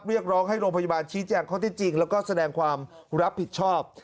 เรียกร้องให้โรงพยาบาลชี้แจงข้อที่จริงแล้วก็แสดงความรับผิดชอบ